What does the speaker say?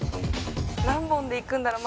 「何本でいくんだろう？